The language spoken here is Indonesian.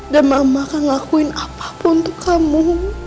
dan mama akan ngakuin apapun untuk kamu